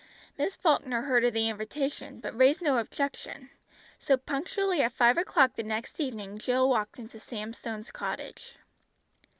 Miss Falkner heard of the invitation, but raised no objection, so punctually at five o'clock the next evening Jill walked into Sam Stone's cottage.